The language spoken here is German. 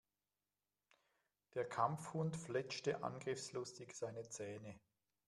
Der Kampfhund fletschte angriffslustig seine Zähne.